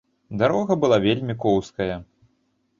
Дарога была вельмі коўзкая.